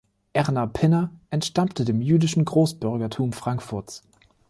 Erna Pinner entstammte dem jüdischen Großbürgertum Frankfurts.